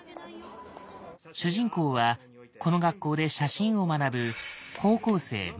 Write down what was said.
主人公はこの学校で写真を学ぶ